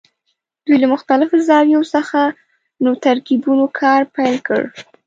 دوی له مختلفو زاویو څخه نوو ترکیبونو کار پیل کړ.